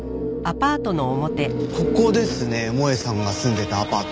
ここですね萌絵さんが住んでたアパート。